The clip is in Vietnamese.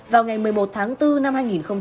vào ngày một mươi một tháng bốn năm hai nghìn hai mươi